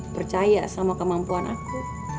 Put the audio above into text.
percaya sama kemampuan aku